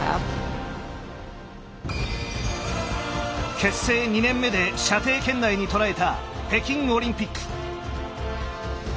結成２年目で射程圏内にとらえた北京オリンピック。